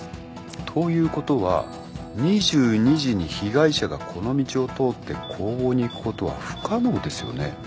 ということは２２時に被害者がこの道を通って工房に行くことは不可能ですよね。